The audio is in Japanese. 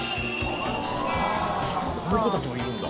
この子たちもいるんだ。